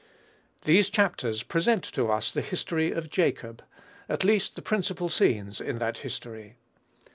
These chapters present to us the history of Jacob, at least the principal scenes in that history.